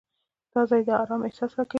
دا ځای د آرام احساس راکوي.